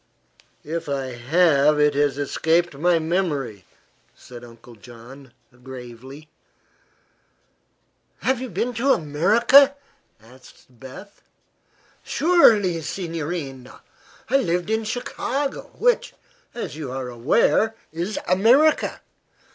"If I have it has escaped my memory," said Uncle John, gravely. "Have you been to America?" asked Beth. "Surely, signorina. I lived in Chicago, which, as you are aware, is America.